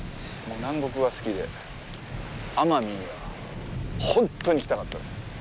南国が好きで、奄美には本当に来たかったです。